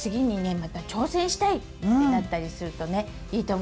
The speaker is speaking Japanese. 「また挑戦したい」ってなったりするとねいいと思います。